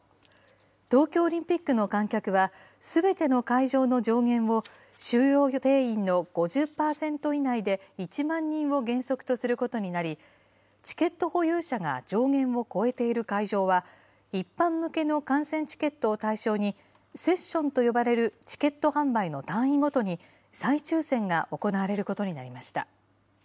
東京オリンピックの観客はすべての会場の上限を、収容定員の５０％以内で１万人を原則とすることになり、チケット保有者が上限を超えている会場は、一般向けの観戦チケットを対象に、セッションと呼ばれるチケット販売の単位ごとに再抽せんが行われることになりました。